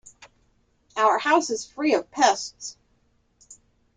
Our house is free of pests.